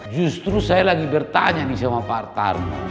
justru saya lagi bertanya nih sama pak artar